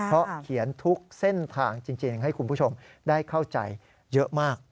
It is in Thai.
เพราะเขียนทุกเส้นทางจริงให้คุณผู้ชมได้เข้าใจเยอะมาก